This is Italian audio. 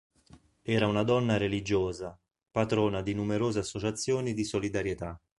Era una donna religiosa, patrona di numerose associazioni di solidarietà.